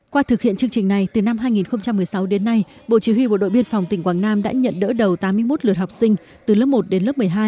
qua thực hiện chương trình này từ năm hai nghìn một mươi sáu đến nay bộ chỉ huy bộ đội biên phòng tỉnh quảng nam đã nhận đỡ đầu tám mươi một lượt học sinh từ lớp một đến lớp một mươi hai